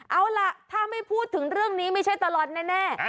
เอาล่ะถ้าไม่พูดถึงเรื่องนี้ไม่ใช่ตลอดแน่